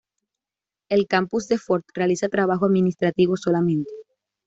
El campus de Fort realiza trabajo administrativo solamente.